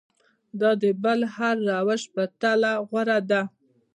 دا د بل هر روش په پرتله غوره ده.